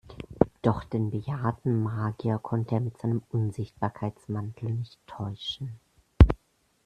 Doch den bejahrten Magier konnte er mit seinem Unsichtbarkeitsmantel nicht täuschen.